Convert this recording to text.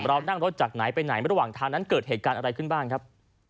เรานั่งรถจากไหนไปไหนระหว่างทางนั้นเกิดเหตุการณ์อะไรขึ้นบ้างครับ